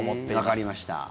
わかりました。